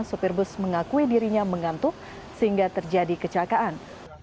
sopir bus mengakui dirinya mengantuk sehingga terjadi kecelakaan